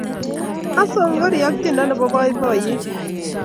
asongorii ak tiendo Nepo poipoiyet